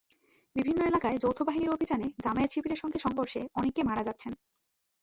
বিভিন্ন এলাকায় যৌথ বাহিনীর অভিযানে জামায়াত শিবিরের সঙ্গে সংঘর্ষে অনেকে মারা যাচ্ছেন।